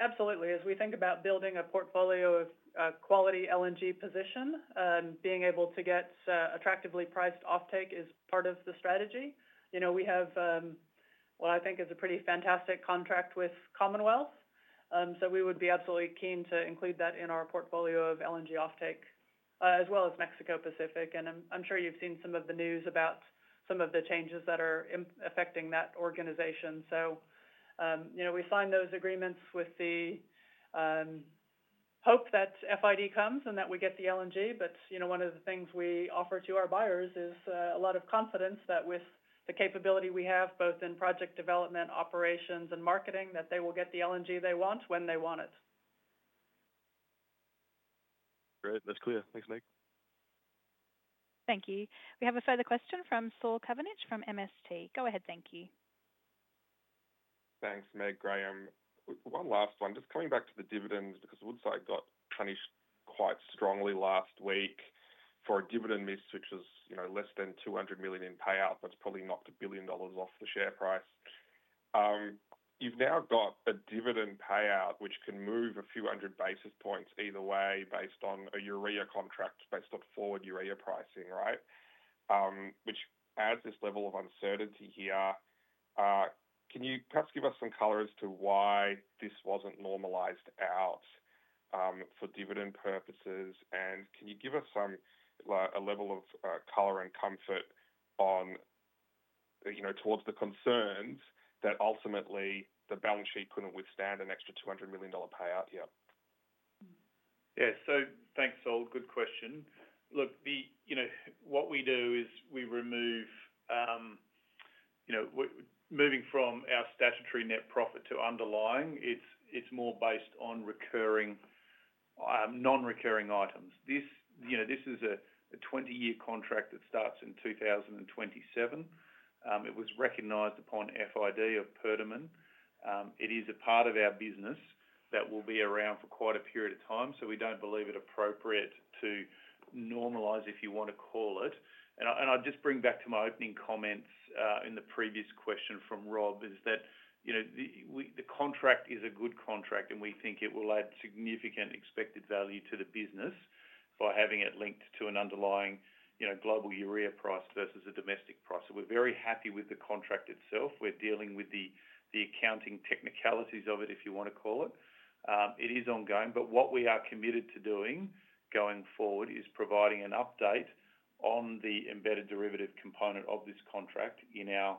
Absolutely. As we think about building a portfolio of quality LNG position, being able to get attractively priced offtake is part of the strategy. We have what I think is a pretty fantastic contract with Commonwealth. So we would be absolutely keen to include that in our portfolio of LNG offtake as well as Mexico Pacific. And I'm sure you've seen some of the news about some of the changes that are affecting that organization. So we signed those agreements with the hope that FID comes and that we get the LNG. But one of the things we offer to our buyers is a lot of confidence that with the capability we have, both in project development, operations, and marketing, that they will get the LNG they want when they want it. Great. That's clear. Thanks, Meg. Thank you. We have a further question from Saul Kavonic from MST. Go ahead. Thank you. Thanks, Meg. Graham, one last one. Just coming back to the dividends because Woodside got punished quite strongly last week for a dividend miss, which was less than $200 million in payout. That's probably knocked $1 billion off the share price. You've now got a dividend payout, which can move a few hundred basis points either way based on a European contract, based on forward European pricing, right? Which adds this level of uncertainty here. Can you perhaps give us some color as to why this wasn't normalized out for dividend purposes? And can you give us a level of color and comfort towards the concerns that ultimately the balance sheet couldn't withstand an extra $200 million payout here? Yeah. So thanks, Saul. Good question. Look, what we do is when moving from our statutory net profit to underlying, it's more based on non-recurring items. This is a 20-year contract that starts in 2027. It was recognized upon FID of Perdaman. It is a part of our business that will be around for quite a period of time. We don't believe it appropriate to normalize if you want to call it. I'll just bring back to my opening comments in the previous question from Rob is that the contract is a good contract, and we think it will add significant expected value to the business by having it linked to an underlying global European price versus a domestic price. So we're very happy with the contract itself. We're dealing with the accounting technicalities of it, if you want to call it. It is ongoing. But what we are committed to doing going forward is providing an update on the embedded derivative component of this contract in our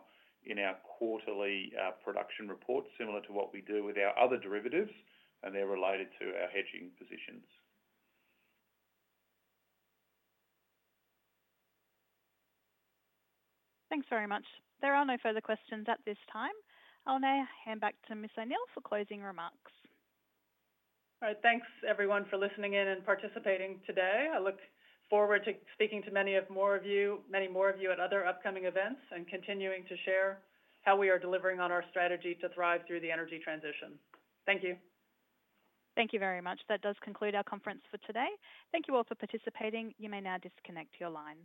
quarterly production report, similar to what we do with our other derivatives, and they're related to our hedging positions. Thanks very much. There are no further questions at this time. I'll now hand back to Ms. O'Neill for closing remarks. All right. Thanks, everyone, for listening in and participating today. I look forward to speaking to many more of you at other upcoming events and continuing to share how we are delivering on our strategy to thrive through the energy transition. Thank you. Thank you very much. That does conclude our conference for today. Thank you all for participating. You may now disconnect your line.